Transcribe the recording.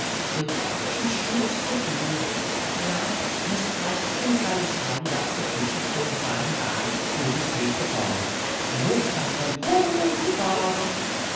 Wid that she shoots the doore; and I, misthrusting if I was tidied up sufficient for me fine buy wid his paper collar, looks up and Holy fathers!